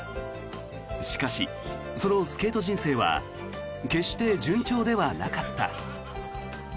しかし、そのスケート人生は決して順調ではなかった。